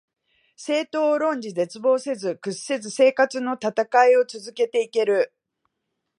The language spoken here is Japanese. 政党を論じ、絶望せず、屈せず生活のたたかいを続けて行ける